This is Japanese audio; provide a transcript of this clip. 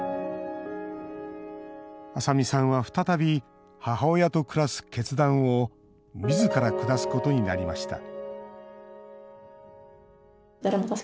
麻未さんは再び母親と暮らす決断をみずから下すことになりました